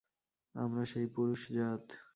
আমরা সেই পুরুষজাত।